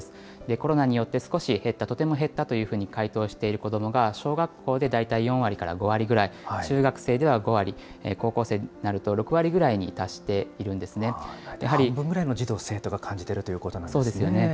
コロナによって少し減った、とても減ったというふうに回答している子どもが小学校で大体４割から５割ぐらい、中学生では５割、高校生になると６割ぐらいに達して半分ぐらいの児童・生徒が感そうですよね。